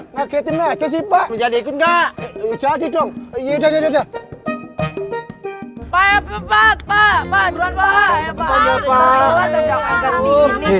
ngagetin aja sih pak jadi ikut enggak jadi dong ya udah udah pak